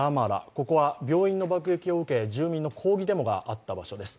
ここは病院の爆撃を受け、住民の抗議デモがあった場所です。